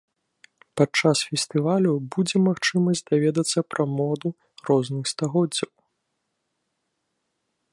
Падчас фестывалю будзе магчымасць даведацца пра моду розных стагоддзяў.